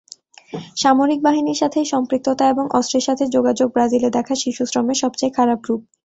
সামরিক বাহিনীর সাথে এই সম্পৃক্ততা এবং অস্ত্রের সাথে যোগাযোগ ব্রাজিলে দেখা শিশুশ্রমের সবচেয়ে খারাপ রূপ।